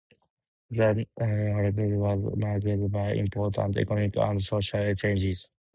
The Neolithic period was marked by important economic and social changes.